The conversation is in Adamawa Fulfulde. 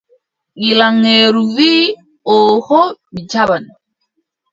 Gilaŋeeru wii: ooho mi jaɓan.